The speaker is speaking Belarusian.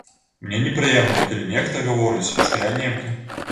Мне непрыемна, калі нехта гаворыць, што я немка.